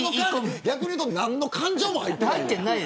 逆に言うと何の感情も入っていない。